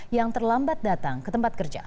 yang terlambat datang ke tempat kerja